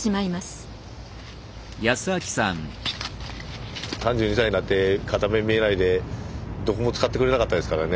３２歳になって片目見えないでどこも使ってくれなかったですからね